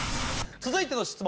続いての質問